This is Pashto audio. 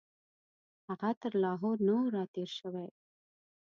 هغه تر لاهور نه وو راتېر شوی.